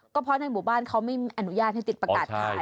ก็เพราะในหมู่บ้านเขาไม่อนุญาตให้ติดประกาศขาย